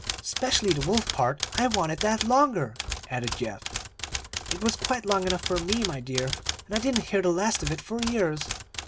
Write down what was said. "'Specially the wolf part. I wanted that longer," added Geoff. "It was quite long enough for me, my dear, and I didn't hear the last of it for years.